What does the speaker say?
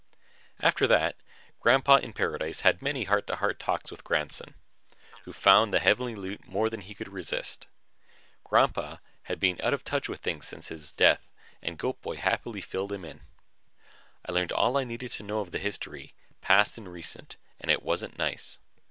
After that, Grandpa in paradise had many heart to heart talks with Grandson, who found the heavenly loot more than he could resist. Grandpa had been out of touch with things since his death and Goat boy happily filled him in. I learned all I needed to know of the history, past and recent, and it wasn't nice.